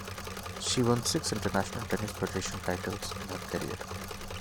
She won six International Tennis Federation titles in her career.